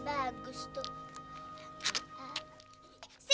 ada cupitan bagus tuh